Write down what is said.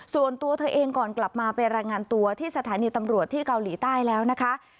ส่วนตัวเธอเองก่อนกลับมาไปรายงานตัวที่สถานีตำรวจที่เกาหลีใต้แล้วนะคะ